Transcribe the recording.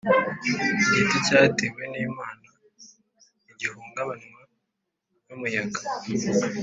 Igiti cyatewe n’Imana ntigihungabanywa n’umuyaga.